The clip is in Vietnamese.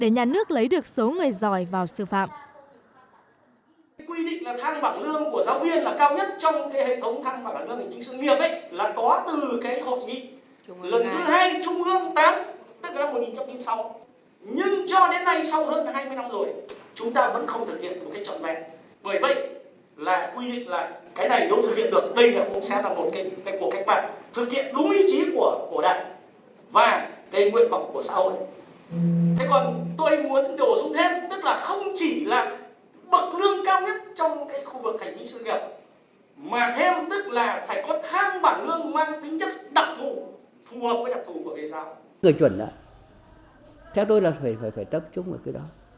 những người chuẩn đó theo tôi là phải tập trung vào cái đó